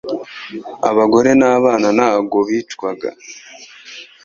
abagore n'abana ntago bicwaga